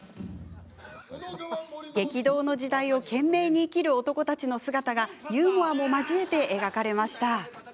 激動の時代を懸命に生きる男たちの姿がユーモアも交えて描かれました。